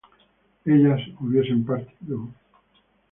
¿ellas hubiesen partido?